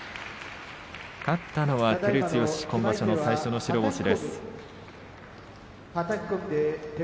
勝ったのは照強今場所、最初の白星です。